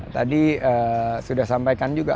tadi sudah sampaikan juga